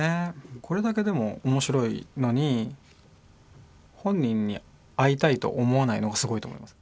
これだけでも面白いのに本人に会いたいと思わないのがすごいと思います。